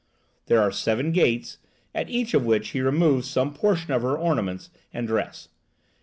There are seven gates, at each of which he removes some portion of her ornaments and dress.